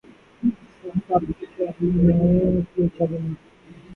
صاحب آپ اچھے آدمی ہیں، اس لیے اچھا گمان کیا۔